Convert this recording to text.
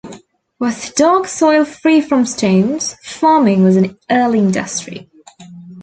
With dark soil free from stones, farming was an early industry.